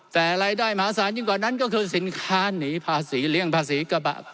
แต่รายได้มหาศาลยิ่งกว่านั้นก็คือสินค้าหนีภาษีเลี่ยงภาษีกระบะ